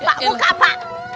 pak buka pak